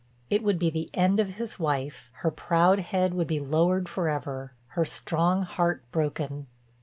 It would be the end of his wife, her proud head would be lowered forever, her strong heart broken.